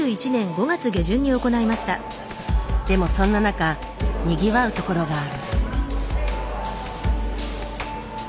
でもそんな中にぎわうところがある。